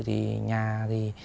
thì nhà thì